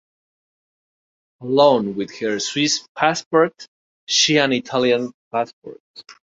Along with her Swiss passport she an Italian passport.